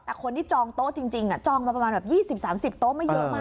แต่คนที่จองโต๊ะจริงจองมาประมาณแบบ๒๐๓๐โต๊ะไม่เยอะมาก